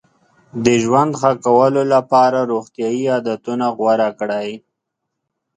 د ژوند ښه کولو لپاره روغتیایي عادتونه غوره کړئ.